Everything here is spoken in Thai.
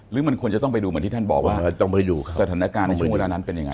หรือมันควรจะต้องไปดูเหมือนที่ท่านบอกว่าสถานการณ์ในช่วงเวลานั้นเป็นยังไง